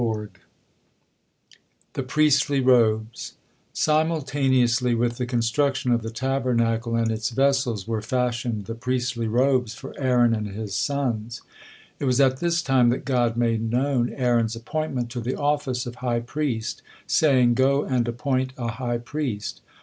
THE PRIESTLY ROBES Simultaneously with the construction of the Tabernacle and its vessels, were fashioned the priestly robes for Aaron and his sons. It was at this time that God made known Aaron's appointment to the office of high priest, saying: "Go and appoint a high priest."